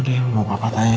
tadi aku bawa pak tanya